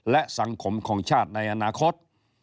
และสังคมของชาติในอนาคต